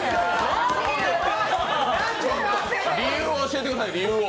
理由を教えてください、理由を。